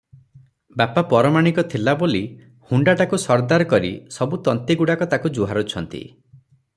ବାପା ପରମାଣିକ ଥିଲା ବୋଲି ହୁଣ୍ତାଟାକୁ ସରଦାର କରି ସବୁ ତନ୍ତୀଗୁଡ଼ାକ ତାକୁ ଜୁହାରୁଛନ୍ତି ।